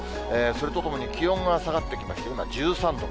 それとともに気温が下がってきまして、今１３度。